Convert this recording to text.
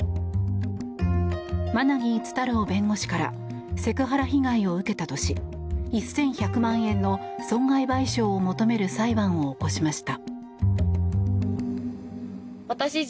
馬奈木厳太郎弁護士からセクハラ被害を受けたとし１１００万円の損害賠償を求める裁判を起こしました。